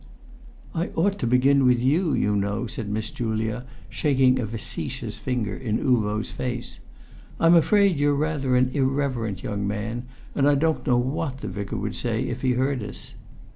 "I ought to begin with you, you know!" said Miss Julia, shaking a facetious finger in Uvo's face. "I'm afraid you're rather an irreverent young man, and I don't know what the Vicar would say if he heard us."